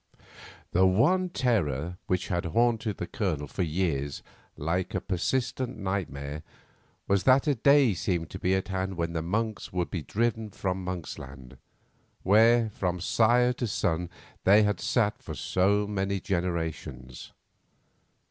The one terror which had haunted the Colonel for years like a persistent nightmare was that a day seemed to be at hand when the Monks would be driven from Monksland, where, from sire to son, they had sat for so many generations.